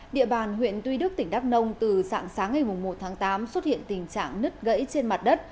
địa bàn huyện tuy đức tỉnh đắk nông từ sáng sáng ngày một tháng tám xuất hiện tình trạng nứt gãy trên mặt đất